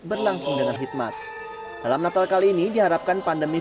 berlangsung dengan hikmat dalam natal kali ini diharapkan pandemi